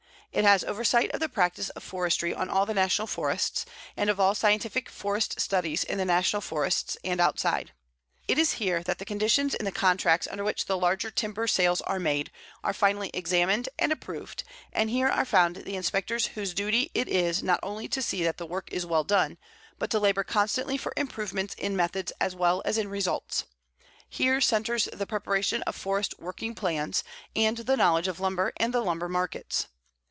It has oversight of the practice of forestry on all the National Forests, and of all scientific forest studies in the National Forests and outside. It is here that the conditions in the contracts under which the larger timber sales are made are finally examined and approved, and here are found the inspectors whose duty it is not only to see that the work is well done, but to labor constantly for improvements in methods as well as in results. Here centres the preparation of forest working plans, and the knowledge of lumber and the lumber markets.